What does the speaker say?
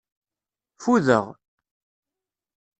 Fudeɣ.